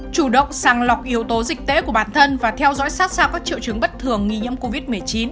chủ động sàng lọc yếu tố dịch tễ của bản thân và theo dõi sát sao các triệu chứng bất thường nghi nhiễm covid một mươi chín